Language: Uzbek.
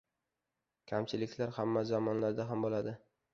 Kamchiliklar hamma zamonlarda ham boʻladi.